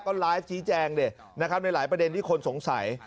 ก็ไลฟ์ชี้แจงในหลายประเด็นที่คนสงสัย